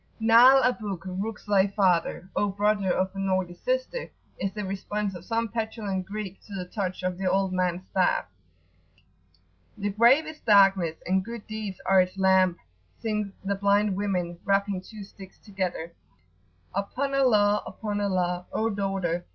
[p.83]"Na'al abuk[FN#17] rucse thy father O brother of a naughty sister!" is the response of some petulant Greek to the touch of the old man's staff. "The grave is darkness, and good deeds are its lamp!" sing the blind women, rapping two sticks together: "upon Allah! upon Allah! O daughter!"